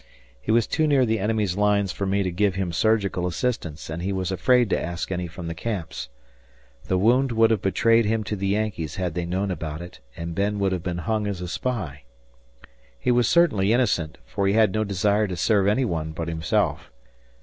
He was too near the enemy's lines for me to give him surgical assistance, and he was afraid to ask any from the camps. The wound would have betrayed him to the Yankees had they known about it, and Ben would have been hung as a spy! He was certainly innocent, for he had no desire to serve any one but himself.